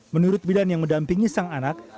menurut bidan yang mendampingi sang anak